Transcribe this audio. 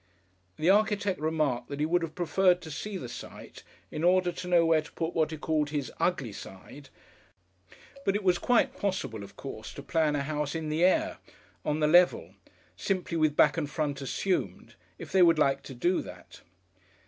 The architect remarked that he would have preferred to see the site in order to know where to put what he called his "ugly side," but it was quite possible of course to plan a house "in the air," on the level, "simply with back and front assumed" if they would like to do that.